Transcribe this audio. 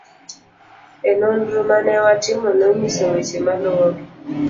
e Nonro ma ne watimo nonyiso weche maluwegi